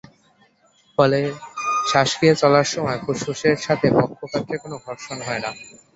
ফলে শ্বাসক্রিয়া চলার সময় ফুসফুসের সাথে বক্ষগাত্রের কোনো ঘর্ষণ হয় না।